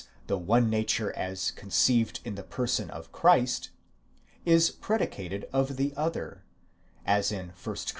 the one nature as conceived in the person of Christ, is predicated of the other, as in 1 Cor.